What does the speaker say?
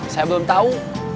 saya belum tahu